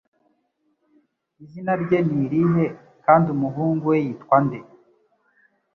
Izina rye ni irihe kandi umuhungu we yitwa nde